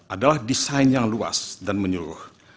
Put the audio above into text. adalah desain yang luas dan menyeluruh